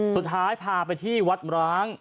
สุดท้ายพาไปที่วัดร้าง